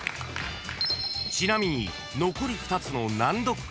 ［ちなみに残り２つの難読漢字